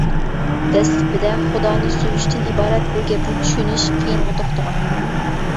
دەسلىپىدە، «خۇدانى سۆيۈش» تىن ئىبارەت بۇ گەپنى چۈشىنىش قىيىنغا توختىغان.